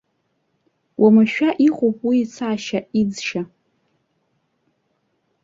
Уамашәа иҟоуп уи ицашьа, иӡшьа.